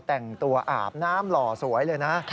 แต่งตัวอาบน้ำหล่อสวยเลยนะ